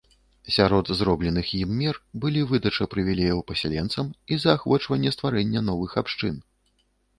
Сярод зробленых ім мер былі выдача прывілеяў пасяленцам і заахвочванне стварэння новых абшчын.